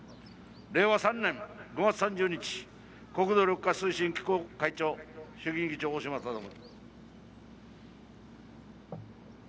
令和３年５月３０日国土緑化推進機構会長衆議院議長、大島理森。